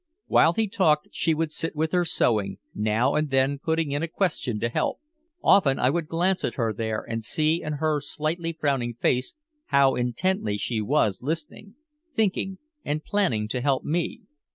While he talked she would sit with her sewing, now and then putting in a question to help. Often I would glance at her there and see in her slightly frowning face how intently she was listening, thinking and planning to help me.